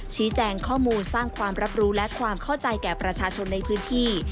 ชี้แจงข้อมูลสร้างความรับรู้และความเข้าใจแก่ประชาชนในพื้นที่